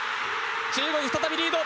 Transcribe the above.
中国、再びリード。